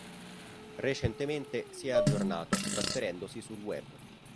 Recentemente si è aggiornato trasferendosi sul Web.